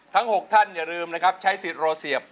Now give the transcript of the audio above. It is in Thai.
ฐัง๖ท่านอย่าลืมใช้สิทธิ์โรเสียบ